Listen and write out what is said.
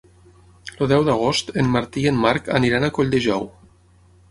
El deu d'agost en Martí i en Marc aniran a Colldejou.